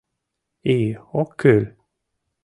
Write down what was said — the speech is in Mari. — И ок кӱл!